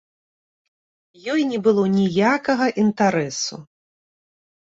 Ёй не было ніякага інтарэсу.